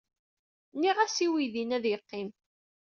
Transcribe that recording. Nniɣ-as i weydi-nni ad yeqqim.